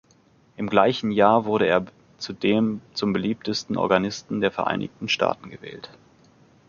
Im gleichen Jahr wurde er zudem zum beliebtesten Organisten der Vereinigten Staaten gewählt.